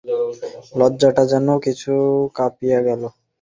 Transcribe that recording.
লজ্জাটা যেন কিছু কাটিয়া গেল।